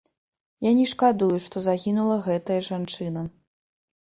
Я не шкадую, што загінула гэтая жанчына.